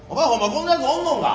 こんなやつおんのんか？